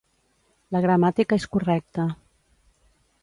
la gramàtica és correcta